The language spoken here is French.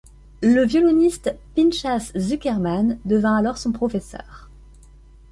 Le violoniste Pinchas Zukerman devient alors son professeur.